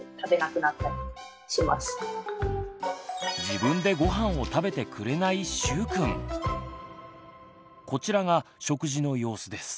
自分でごはんを食べてくれないこちらが食事の様子です。